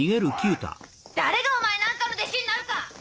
誰がお前なんかの弟子になるか！